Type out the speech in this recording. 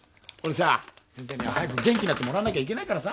先生には早く元気になってもらわなきゃいけないからさ。